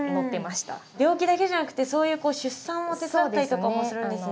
病気だけじゃなくてそういうこう出産を手伝ったりとかもするんですね。